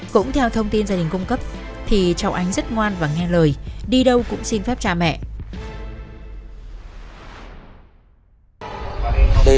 cũng theo thông tin gia đình cung cấp thì cháu ánh rất ngoan và nghe lời đi đâu cũng xin phép cha mẹ